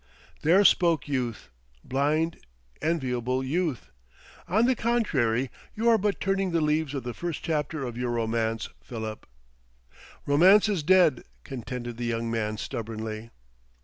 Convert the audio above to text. "There spoke Youth blind, enviable Youth!... On the contrary, you are but turning the leaves of the first chapter of your Romance, Philip." "Romance is dead," contended the young man stubbornly.